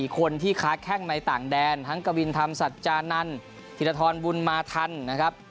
คนที่ค้าแข้งในต่างแดนทั้งกวินธรรมสัจจานันธิรทรบุญมาทันนะครับ